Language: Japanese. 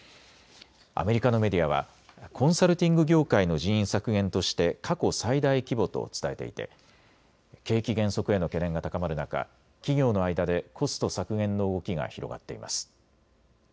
アメリカのメディアはコンサルティング業界の人員削減として過去最大規模と伝えていて景気減速への懸念が高まる中、企業の間でコスト削減の動きが広がっています。